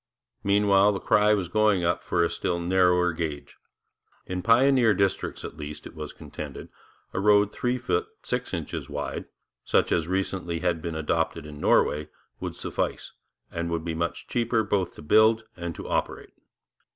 Meanwhile, the cry was going up for a still narrower gauge. In pioneer districts, at least, it was contended, a road three feet six inches wide, such as had recently been adopted in Norway, would suffice, and would be much cheaper both to build and to operate.